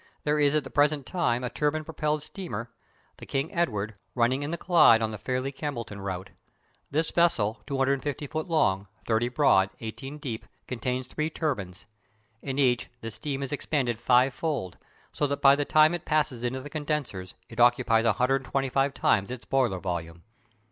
There is at the present time a turbine propelled steamer, the King Edward, running in the Clyde on the Fairlie Campbelltown route. This vessel, 250 feet long, 30 broad, 18 deep, contains three turbines. In each the steam is expanded fivefold, so that by the time it passes into the condensers it occupies 125 times its boiler volume.